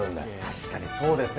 確かにそうですね。